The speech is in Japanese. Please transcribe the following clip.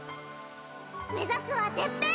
目指すはてっぺん！